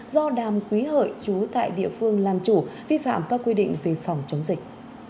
do đàm quý hợi chú tại địa phương làm chủ vi phạm các quy định về phòng chống dịch